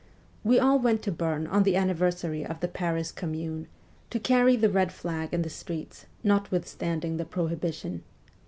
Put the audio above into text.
We all went to Bern on the anniversary of the Paris Commune, to carry the red flag in the streets, notwith standing the prohibition.